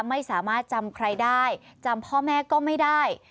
ไม่สามารถจำใครได้จำพ่อแม่ก็ไม่ได้